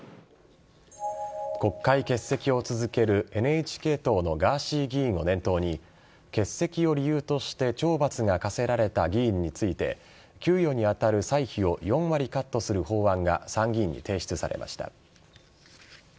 国会欠席を続けるＮＨＫ党のガーシー議員を念頭に欠席を理由として懲罰が科せられた議員について給与に当たる歳費を４割カットする法案が参議院に提出されました。